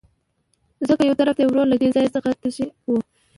ځکه يوطرف ته يې ورور له دې ځاى څخه تښى وو.